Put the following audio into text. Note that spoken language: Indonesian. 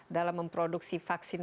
dalam memproduksi vaksin